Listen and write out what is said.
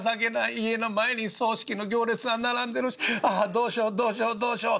家の前に葬式の行列は並んでるしああどうしようどうしようどうしよう？」。